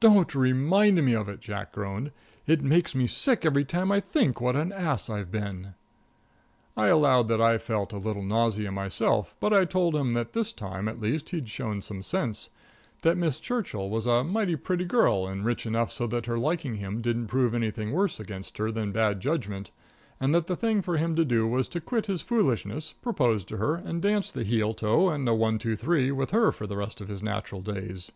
"Don't remind me of it," Jack groaned. "It makes me sick every time I think what an ass I've been." I allowed that I felt a little nausea myself, but I told him that this time, at least, he'd shown some sense; that Miss Churchill was a mighty pretty girl and rich enough so that her liking him didn't prove anything worse against her than bad judgment; and that the thing for him to do was to quit his foolishness, propose to her, and dance the heel, toe, and a one, two, three with her for the rest of his natural days.